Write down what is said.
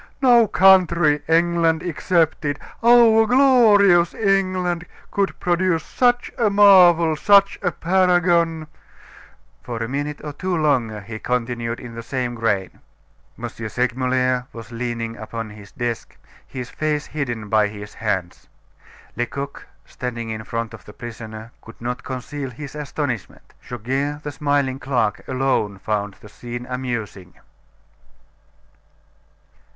No country, England excepted our glorious England! could produce such a marvel, such a paragon " For a minute or two longer he continued in the same strain. M. Segmuller was leaning upon his desk, his face hidden by his hands. Lecoq, standing in front of the prisoner, could not conceal his astonishment. Goguet, the smiling clerk, alone found the scene amusing.